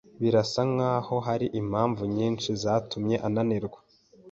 Birasa nkaho hari impamvu nyinshi zatumye ananirwa